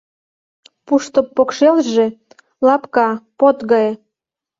Пуштып покшелже лапка, под гае.